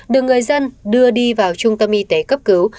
được người dân đưa đi vào trung tâm y tế cấp cứu